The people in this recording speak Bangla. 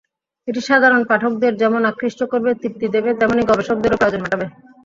এটি সাধারণ পাঠকদের যেমন আকৃষ্ট করবে, তৃপ্তি দেবে, তেমনি গবেষকদেরও প্রয়োজন মেটাবে।